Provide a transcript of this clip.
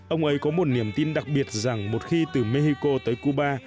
ông ấy có một niềm tin đặc biệt rằng một khi từ mexico tới cuba